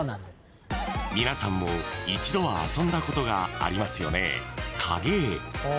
［皆さんも一度は遊んだことがありますよね］